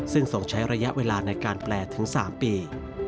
ซึ่งส่งใช้ระยะเวลาในการแปลถึง๓ปี